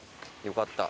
よかった。